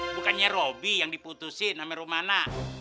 bukannya robi yang diputusin sama romana